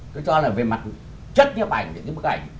tôi cho là về mặt chất giếp ảnh thì cái bức ảnh